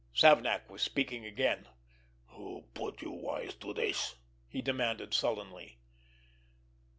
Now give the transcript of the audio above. Savnak was speaking again. "Who put you wise to this?" he demanded sullenly.